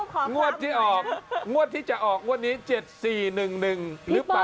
ช่วยเดินมาที่ป้ายทะเบียนรถนิดนึงได้ไหมคะ